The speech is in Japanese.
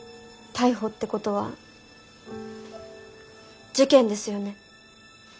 逮捕ってことは事件ですよね？